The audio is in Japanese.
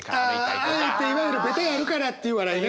あえていわゆるベタやるからっていう笑いね。